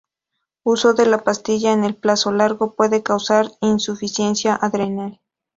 Uso de la pastilla en el plazo largo puede causar insuficiencia adrenal.